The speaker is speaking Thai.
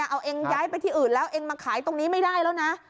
เอาเองย้ายไปที่อื่นแล้วเองมาขายตรงนี้ไม่ได้แล้วนะ